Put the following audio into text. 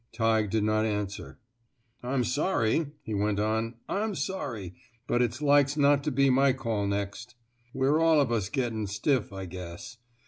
Tighe did not answer. I'm sorry," he went on. ''I'm sorry, but it's like's not to be my call next. We're all of us gettin' stiff, I guess.